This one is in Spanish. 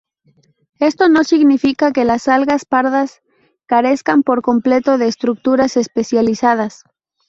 Esto no significa que las algas pardas carezcan por completo de estructuras especializadas.